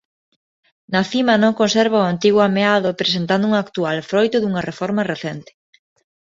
Na cima non conserva o antigo ameado presentando un actual froito dunha reforma recente.